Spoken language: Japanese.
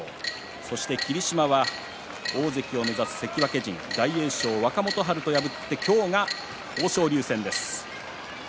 そして、霧島は大関を目指す関脇陣大栄翔、若元春と破って今日が豊昇龍戦です。